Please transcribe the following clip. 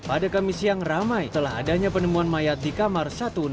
pada kamis siang ramai telah adanya penemuan mayat di kamar satu ratus enam puluh